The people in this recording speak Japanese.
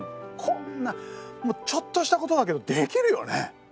こんなちょっとしたことだけどできるよね？